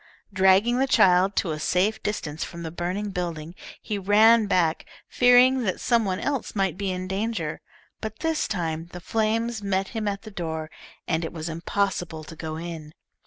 Dragging the child to a safe distance from the burning building, he ran back, fearing that some one else might be in danger, but this time the flames met him at the door, and it was impossible to go in.